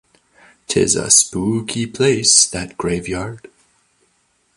'Tis a spooky place, that grave-yard.